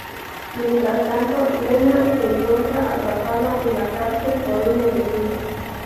Mientras tanto Lena se encuentra atrapada en la cárcel por un enemigo.